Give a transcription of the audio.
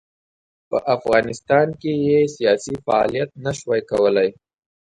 په افغانستان کې یې سیاسي فعالیت نه شوای کولای.